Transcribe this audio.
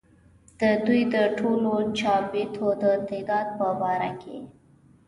ددوي د ټولو چابېتو د تعداد پۀ باره کښې